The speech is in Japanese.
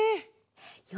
よ